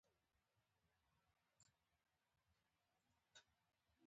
ناره پر وکړه.